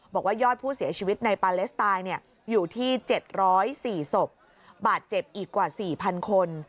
บอกว่ายอดผู้เสียชีวิตในปาเลสไตน์อยู่ที่๗๐๔ศพบาดเจ็บอีกกว่า๔๐๐คน